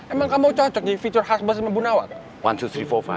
emang kamu cocok jadi future husband bu nawang